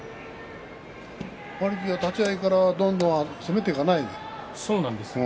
立ち合いからどんどん攻めていかないよね。